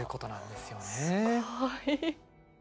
すごい。